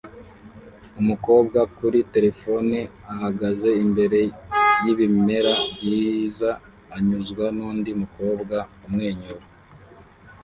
Umukobwa kuri terefone ahagaze imbere yibimera byiza anyuzwa nundi mukobwa umwenyura